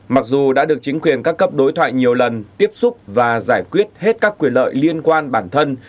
mặc dù đã được chính quyền các cấp đối thoại nhiều lần tiếp xúc và giải quyết hết các quyền lợi liên quan bản thân